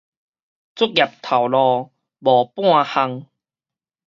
出業頭路無半項